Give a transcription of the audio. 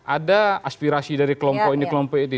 ada aspirasi dari kelompok ini kelompok ini